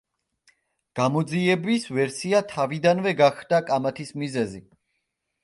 გამოძიების ვერსია თავიდანვე გახდა კამათის მიზეზი.